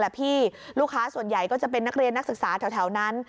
พี่ลูกค้าส่วนใหญ่ก็จะเป็นนักเรียนนักศึกษาแถวนั้น